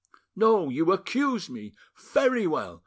No, you accuse me; very well!